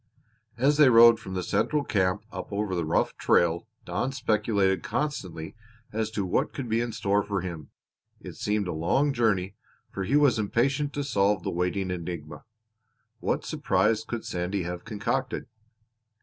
As they rode from the central camp up over the rough trail Don speculated constantly as to what could be in store for him. It seemed a long journey for he was impatient to solve the waiting enigma. What surprise could Sandy have concocted?